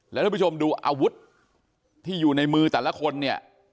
แล้วท่านผู้ชมดูอาวุธที่อยู่ในมือแต่ละคนเนี่ย